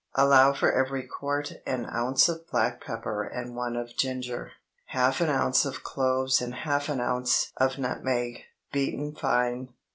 Allow for every quart an ounce of black pepper and one of ginger, half an ounce of cloves and half an ounce of nutmeg, beaten fine.